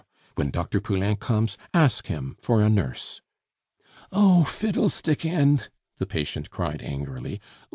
When Dr. Poulain comes, ask him for a nurse." "Oh fiddlestickend!" the patient cried angrily.